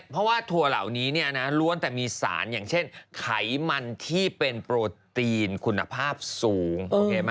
เพราะว่าถั่วเหล่านี้เนี่ยนะวันแต่เป็นมีสารอย่างเช่นไขมันที่คุณภาพตรงการโปรตีนขึ้นภาพสูง